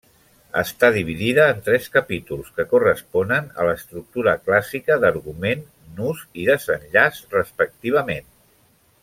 Està dividida en tres capítols, que corresponen a l'estructura clàssica d'argument, nus i desenllaç, respectivament.